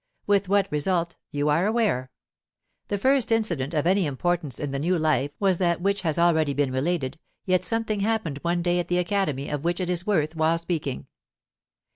With what result, you are aware. The first incident of any importance in the new life was that which has already been related, yet something happened one day at the Academy of which it is worth while speaking.